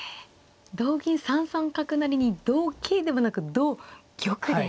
同銀３三角成に同桂ではなく同玉で。